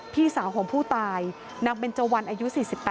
พี่สาวของผู้ตายนางเบนเจวันอายุ๔๘